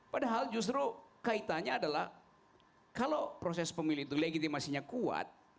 padahal justru kaitannya adalah kalau proses pemilih itu legitimasinya kuat